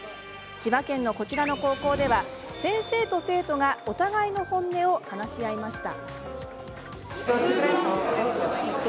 千葉県のこちらの高校では先生と生徒がお互いの本音を話し合いました。